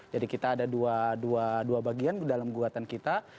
jadi kita ada dua bagian dalam gugatan kita